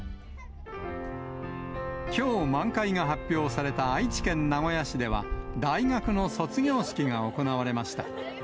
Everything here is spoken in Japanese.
きょう満開が発表された愛知県名古屋市では、大学の卒業式が行われました。